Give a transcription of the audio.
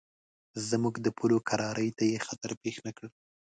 زموږ د پولو کرارۍ ته یې خطر پېښ نه کړ.